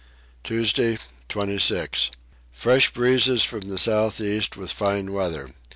Tuesday 26. Fresh breezes from the south east with fine weather.